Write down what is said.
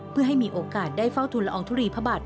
เพื่อให้มีโอกาสได้เฝ้าทุนละอองทุรีพระบาท